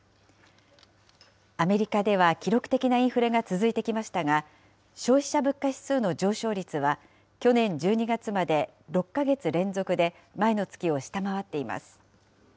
アメリカでは記録的なインフレが続いてきましたが、消費者物価指数の上昇率は、去年１２月まで６か月連続で前の月を下回っています。